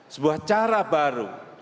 sebuah cara baru